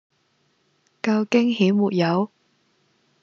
夠驚險沒有？